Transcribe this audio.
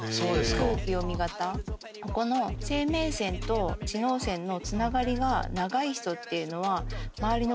ここの生命線と知能線のつながりが長い人っていうのは。